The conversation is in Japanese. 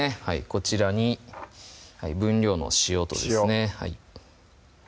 こちらに分量の塩とですね